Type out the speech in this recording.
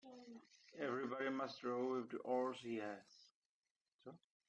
Everybody must row with the oars he has.